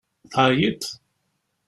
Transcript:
Teɛyiḍ?